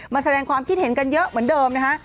แสดงความคิดเห็นกันเยอะเหมือนเดิมนะฮะ